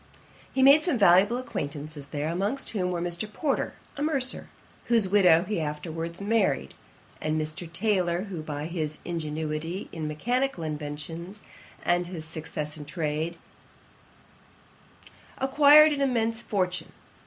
He made some valuable acquaintances there, amongst whom were Mr. Porter, a mercer, whose widow he afterwards married, and Mr. Taylor, who by his ingenuity in mechanical inventions, and his success in trade, acquired an immense fortune.